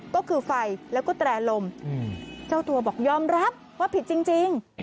ก็คือไฟแล้วก็แตรลมเจ้าตัวบอกยอมรับว่าผิดจริง